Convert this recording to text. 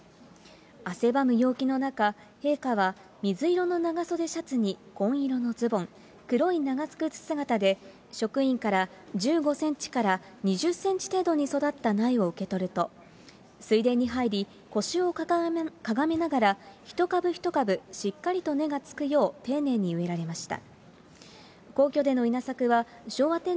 汗ばむ陽気の中、陛下は水色の長袖シャツに紺色のズボン、黒い長靴姿で、職員から１５センチから２０センチ程度に育った苗を受け取ると、水田に入り、腰をかがめながら、一株一株根がつくよう丁寧に植えられました。